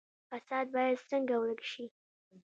فساد باید څنګه ورک شي؟